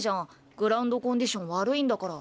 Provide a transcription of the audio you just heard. グラウンドコンディション悪いんだから。